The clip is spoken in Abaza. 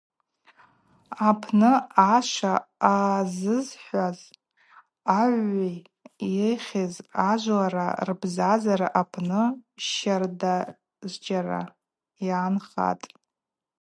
Апсны ашва азызхӏваз агӏвгӏвы йыхьыз ажвлара рбзазара апны щардазджьара йгӏанхатӏ.